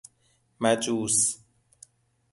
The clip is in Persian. مجوس